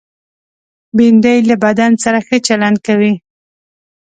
بېنډۍ له بدن سره ښه چلند کوي